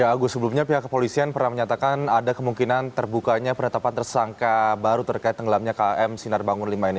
ya agus sebelumnya pihak kepolisian pernah menyatakan ada kemungkinan terbukanya penetapan tersangka baru terkait tenggelamnya km sinar bangun v ini